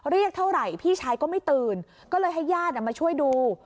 เรียกเท่าไหร่พี่ชายก็ไม่ตื่นก็เลยให้ญาติมาช่วยดู